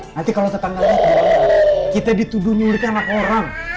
nanti kalau tetangganya kemana kita dituduh nyuruhkan anak orang